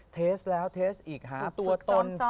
เทสแล้วเทสอีกหาตัวตน